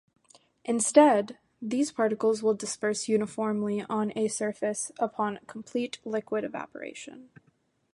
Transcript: Instead, these particles will disperse uniformly on a surface upon complete liquid evaporation.